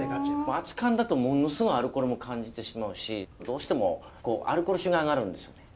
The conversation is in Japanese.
熱燗だとものすごいアルコールも感じてしまうしどうしてもアルコール臭が上がるんですよね。